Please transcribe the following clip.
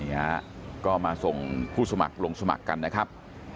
นี่ฮะก็มาส่งผู้สมัครลงสมัครกันนะครับ